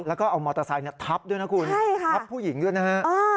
แล้วก็เอามอเตอร์ไซค์ทับด้วยนะคุณทับผู้หญิงด้วยนะฮะ